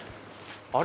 あれ？